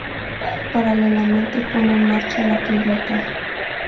Paralelamente pone en marcha la clínica.